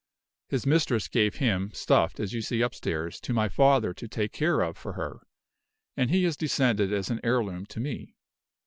His mistress gave him, stuffed, as you see upstairs, to my father to take care of for her, and he has descended as an heirloom to me.